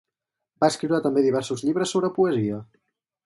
Va escriure també diversos llibres sobre poesia.